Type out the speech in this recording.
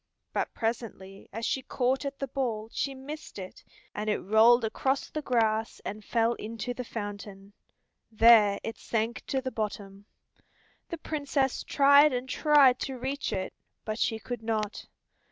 But presently as she caught at the ball she missed it, and it rolled across the grass and fell into the fountain. There it sank to the bottom. The Princess tried and tried to reach it, but she could not.